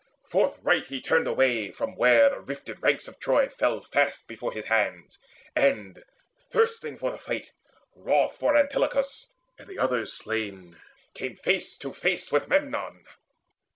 Forthright he turned away From where the rifted ranks of Troy fell fast Before his hands, and, thirsting for the fight, Wroth for Antilochus and the others slain, Came face to face with Memnon.